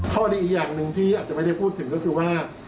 ข้อดีอีกอย่างหนึ่งที่อาจจะไม่ได้พูดถึงก็คือว่า